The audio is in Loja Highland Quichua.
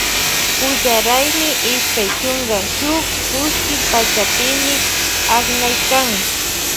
Kulla raymi ishkay chunka shuk kuski pachapimi aknaykan.